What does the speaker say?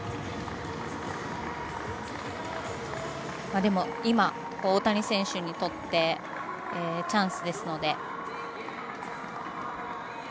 でも、今、大谷選手にとってチャンスですので。